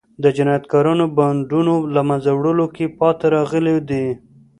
د جنایتکارو بانډونو له منځه وړلو کې پاتې راغلي دي.